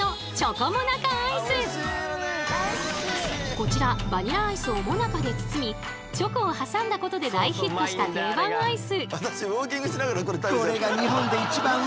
こちらバニラアイスをモナカで包みチョコを挟んだことで大ヒットした定番アイス。